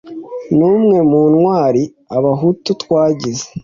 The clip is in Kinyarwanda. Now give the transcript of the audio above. numwe mu ntwali abahutu twagize